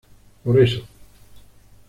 Por eso...